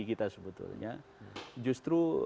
kita sebetulnya justru